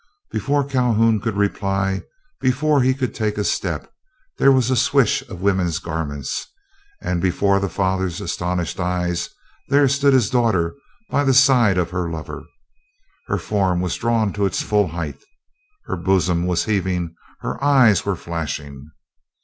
Before Calhoun could reply, before he could take a step, there was a swish of woman's garments, and before the father's astonished eyes there stood his daughter by the side of her lover. Her form was drawn to its full height, her bosom was heaving, her eyes were flashing.